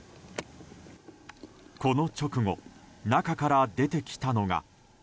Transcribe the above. この直後中から出てきたのが。